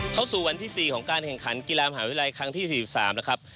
เข้าสู่วันที่๔ของการแข่งขันกีฬามหาวิทยาลัยครั้งที่๔๓แล้วครับ